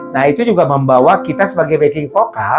nah itu juga membawa kita sebagai baking vokal